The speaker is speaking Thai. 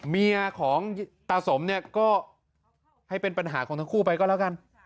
เมียของตาสมเนี่ยก็ให้เป็นปัญหาของทั้งคู่ไปก็แล้วกัน